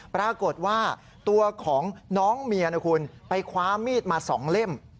ปรากฏว่าตัวของน้องเมียนะคุณไปคว้ามีดมา๒เล่ม